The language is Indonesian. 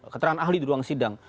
keterangan ahli di ruang sidang